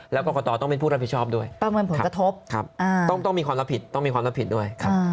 แล้วกรกตต้องเป็นผู้รับผิดชอบด้วยต้องมีความรับผิดด้วย